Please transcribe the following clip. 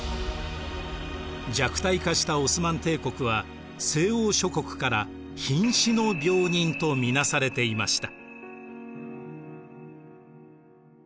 弱体化したオスマン帝国は西欧諸国から瀕死の病人と見なされていました。